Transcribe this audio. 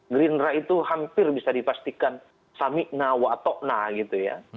gerindra itu hampir bisa dipastikan samikna watokna gitu ya